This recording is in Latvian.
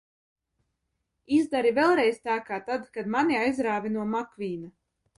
Izdari vēlreiz tā, kā tad, kad mani aizrāvi no Makvīna!